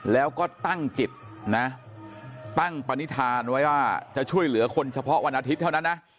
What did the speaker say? แล้วก็ตั้งจิตนะตั้งปณิธานไว้ว่าจะช่วยเหลือคนเฉพาะวันอาทิตย์เท่านั้นนะ